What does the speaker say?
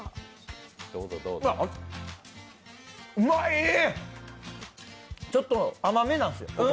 うまい、ちょっと甘めなんです。